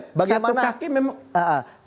jadi sebetulnya satu kaki memang